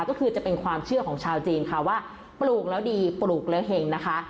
ก็คือจะเป็นความเชื่อของชาวจีนค่ะว่าปลูกแล้วดีปลูกแล้วเห็งนะคะ